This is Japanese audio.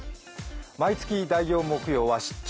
毎月第４木曜は「出張！